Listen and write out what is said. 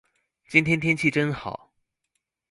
今天天氣真好